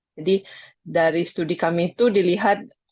jadi dari studi kami itu dilihat